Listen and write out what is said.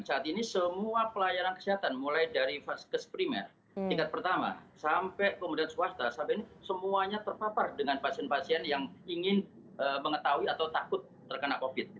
saat ini semua pelayanan kesehatan mulai dari vaskes primer tingkat pertama sampai kemudian swasta sampai ini semuanya terpapar dengan pasien pasien yang ingin mengetahui atau takut terkena covid